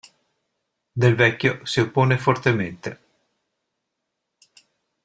Del Vecchio si oppone fortemente.